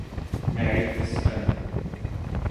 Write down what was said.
Mary is stunning.